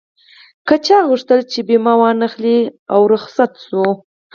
که چا غوښتل چې بيمه و نه اخلي او رخصت شم.